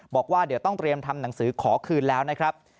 บอกว่าเดี๋ยวต้องเตรียมทำหนังสือขอคืนแล้วนะครับ